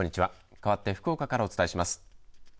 かわって福岡からお伝えします。